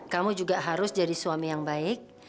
kamu juga harus jadi suami yang baik